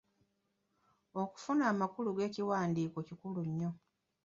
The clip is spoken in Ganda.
Okufuna amakulu g’ekiwandiiko kikulu nnyo.